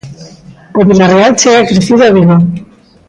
O Vilarreal chega crecido a Vigo.